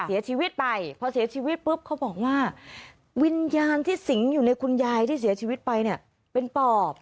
เสียชีวิตไปพอเสียชีวิตปุ๊บเขาบอกว่าวิญญาณที่สิงอยู่ในคุณยายที่เสียชีวิตไปเนี่ยเป็นปอบ